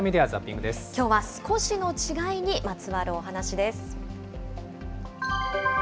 きょうは、少しの違いにまつわるお話です。